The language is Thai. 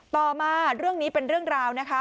ต่อมาเรื่องนี้เป็นเรื่องราวนะคะ